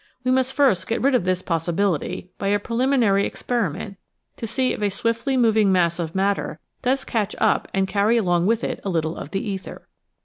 We must first get rid of this possibility by a preliminary experiment to see if a swiftly moving mass of matter does catch up and carry along with it a little of the ether.